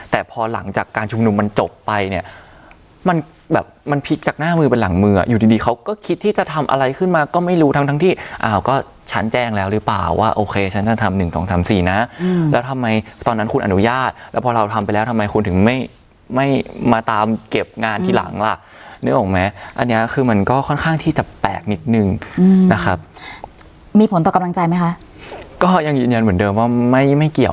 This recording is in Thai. แต่พอหลังจากการชุมนุมมันจบไปเนี่ยมันแบบมันพลิกจากหน้ามือไปหลังมืออ่ะอยู่ดีเขาก็คิดที่จะทำอะไรขึ้นมาก็ไม่รู้ทั้งทั้งที่อ่าวก็ฉันแจ้งแล้วหรือเปล่าว่าโอเคฉันจะทำ๑๒๓๔นะแล้วทำไมตอนนั้นคุณอนุญาตแล้วพอเราทำไปแล้วทำไมคุณถึงไม่มาตามเก็บงานที่หลังล่ะนึกออกไหมอันนี้คือมันก็ค่อนข้างที่จะแป